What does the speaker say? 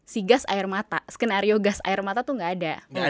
si gas air mata skenario gas air mata itu nggak ada